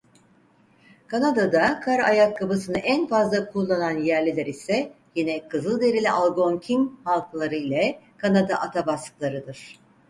Kanada'da kar ayakkabısını en fazla kullanan yerliler ise yine Kızılderili Algonkin halkları ile Kanada Atabasklarıdır.